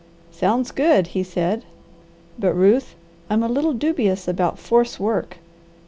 "Sounds good!" he said. "But, Ruth, I'm a little dubious about force work.